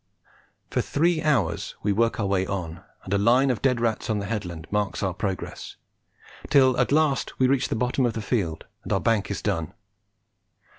For three hours we work our way on, and a line of dead rats on the headland marks our progress, till at last we reach the bottom of the field and our bank is done.